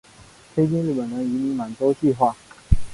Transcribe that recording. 推进日本人移民满洲计划。